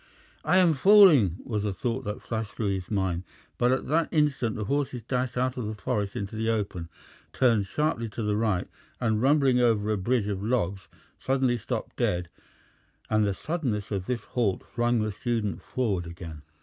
"I am falling!" was the thought that flashed through his mind, but at that instant the horses dashed out of the forest into the open, turned sharply to the right, and rumbling over a bridge of logs, suddenly stopped dead, and the suddenness of this halt flung the student forward again.